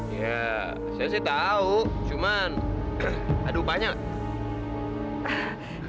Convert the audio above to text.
iya saya sih tahu cuma ada upahnya nggak